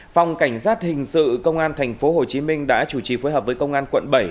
phòng cảnh sát hình sự công an tp hcm đã chủ trì phối hợp với công an quận bảy